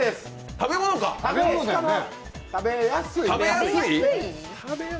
食べやすい。